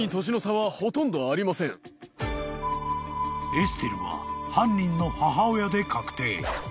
［エステルは犯人の母親で確定］